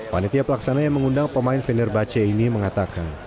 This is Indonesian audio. panitia pelaksana yang mengundang pemain fenerbahce ini mengatakan